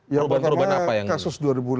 ya pertama kasus dua ribu delapan